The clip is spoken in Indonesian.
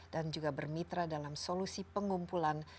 dan juga bermitra dalam solusi pengumpulan